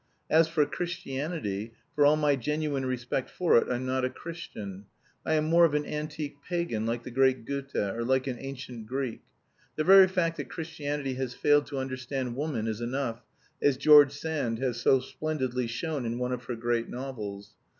As for Christianity, for all my genuine respect for it, I'm not a Christian. I am more of an antique pagan, like the great Goethe, or like an ancient Greek. The very fact that Christianity has failed to understand woman is enough, as George Sand has so splendidly shown in one of her great novels.